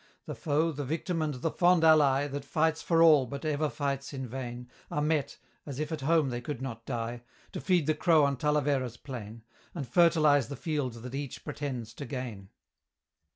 The foe, the victim, and the fond ally That fights for all, but ever fights in vain, Are met as if at home they could not die To feed the crow on Talavera's plain, And fertilise the field that each pretends to gain.